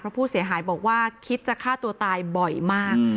เพราะผู้เสียหายบอกว่าคิดจะฆ่าตัวตายบ่อยมาก